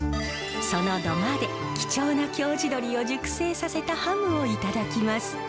その土間で貴重な京地鶏を熟成させたハムをいただきます。